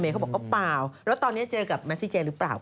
เขาบอกเปล่าแล้วตอนนี้เจอกับเมซิเจหรือเปล่า